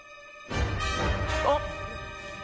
あっ。